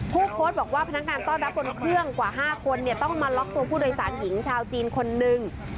โพสต์บอกว่าพนักงานต้อนรับบนเครื่องกว่า๕คนต้องมาล็อกตัวผู้โดยสารหญิงชาวจีนคนหนึ่ง